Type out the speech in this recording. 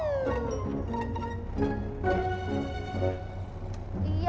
empat kurang pengala